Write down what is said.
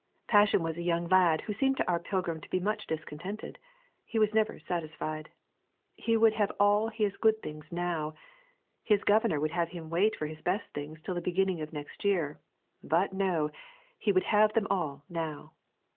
Passion was a young lad who seemed to our pilgrim to be much discontented. He was never satisfied. He would have all his good things now. His governor would have him wait for his best things till the beginning of next year; but no, he will have them all now.